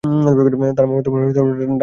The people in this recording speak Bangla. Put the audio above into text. তার মামাতো বোন ঢাকা মেডিকেল কলেজে পড়ে।